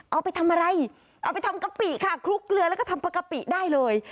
เอาไปทำอะไรเอาไปทำกะปิค่ะคลุกเกลือแล้วก็ทำปกติได้เลย